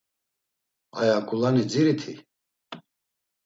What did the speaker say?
Aya ǩulani dziriti?